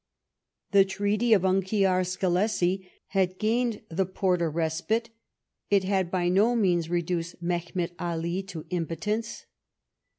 The treaty of Unkiar Skelessi had gained the Porte a respite ; it had by no means re duced Mehemet Ali to impotence.